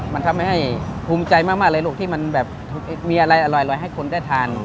มันทำให้ภูมิใจมากเลยลูกที่มันแบบมีอะไรอร่อยให้คนได้ทาน